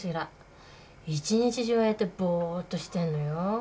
一日中ああやってぼっとしてんのよ。